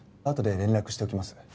あとで連絡しておきます。